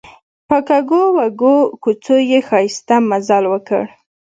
په کږو وږو کوڅو یې ښایسته مزل وکړ.